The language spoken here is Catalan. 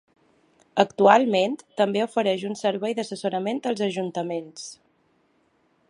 Actualment, també ofereix un servei d’assessorament als ajuntaments.